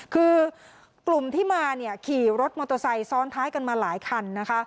คือกลุ่มที่มาเนี่ยขี่รถมอเตอร์ไซค์ซ้อนท้ายกันมาหลายคันนะคะ